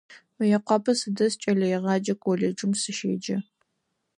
Мыекъуапэ сыдэс, кӏэлэегъэджэ колледжым сыщеджэ.